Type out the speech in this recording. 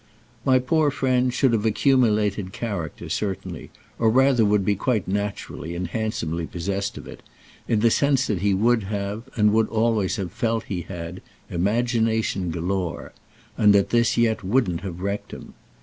My poor friend should have accumulated character, certainly; or rather would be quite naturally and handsomely possessed of it, in the sense that he would have, and would always have felt he had, imagination galore, and that this yet wouldn't have wrecked him.